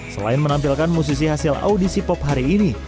selain menampilkan musisi hasil audisi pop hari ini